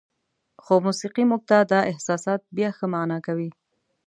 خو موسیقي موږ ته دا احساسات بیا ښه معنا کوي.